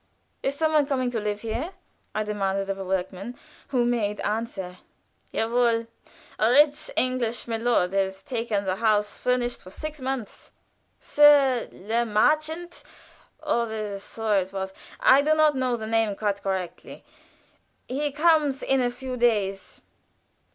"Is some one coming to live here?" I demanded of a workman, who made answer: "Ja wohl! A rich English milord has taken the house furnished for six months Sir Le Marchant, oder so etwas. I do not know the name quite correctly. He comes in a few days."